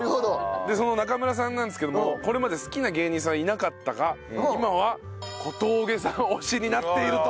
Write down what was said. でその中村さんなんですけどもこれまで好きな芸人さんはいなかったが今は小峠さん推しになっていると。